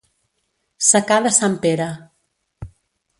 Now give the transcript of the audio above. Secà de Sant Pere.